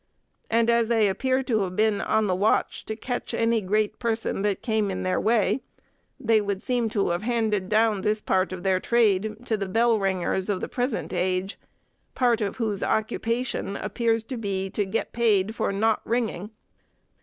and as they appear to have been on the watch to catch any great person that came in their way, they would seem to have handed down this part of their trade to the bell ringers of the present age, part of whose occupation appears to be to get paid for not ringing.